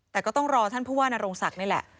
แต่ก็ต้องรอท่านผู้ว่านโรงศักดิ์นี่แหละ